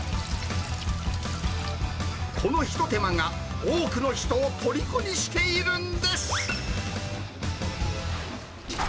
このひと手間が、多くの人をとりこにしているんです。